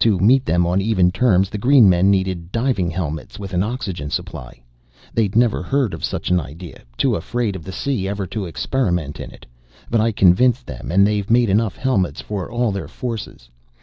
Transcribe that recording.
To meet them on even terms the green men needed diving helmets with an oxygen supply. They'd never heard of such an idea, too afraid of the sea ever to experiment in it, but I convinced them and they've made enough helmets for all their forces.